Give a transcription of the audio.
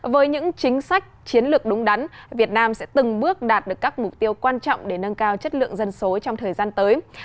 với những chính sách chiến lược đúng đắn việt nam sẽ từng bước đạt được các mục tiêu quan trọng để nâng cao chất lượng dân số trong thời gian tới